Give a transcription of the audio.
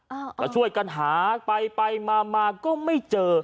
แล้วช่วยกันหาไปมาก็ไม่เจอ